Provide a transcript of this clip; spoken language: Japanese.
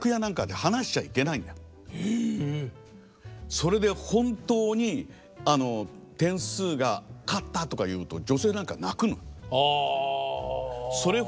それで本当に点数が勝ったとか言うと女性なんか泣くの。